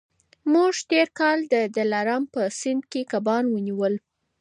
موږ تېر کال د دلارام په سیند کي کبان ونیول.